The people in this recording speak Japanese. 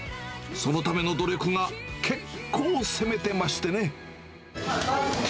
そのための努力が結構攻めてましてね。